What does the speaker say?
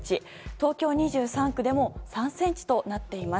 東京２３区でも３ｃｍとなっています。